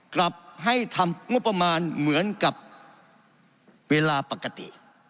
กลับให้ทำงบประมาณเหมือนกับเวลาปกติ